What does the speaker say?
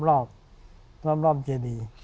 รอบรอบเจดี